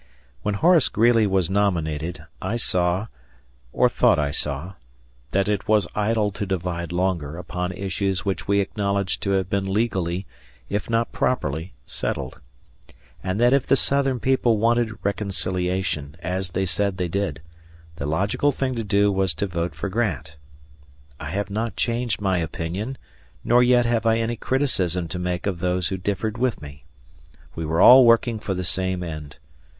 When Horace Greeley was nominated, I saw or thought I saw that it was idle to divide longer upon issues which we acknowledged to have been legally, if not properly, settled; and that if the Southern people wanted reconciliation, asthey said they did, the logical thing to do was to vote for Grant. I have not changed my opinion, nor yet have I any criticism to make of those who differed with me. We were all working for the same end.